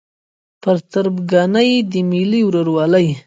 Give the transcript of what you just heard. پر تربګنۍ د ملي ورورولۍ